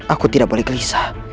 aku tidak boleh gelisah